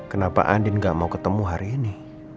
kenapa andin gak mau ketemu hari ini